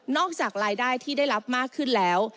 จากรายได้ที่ได้รับมากขึ้นแล้ว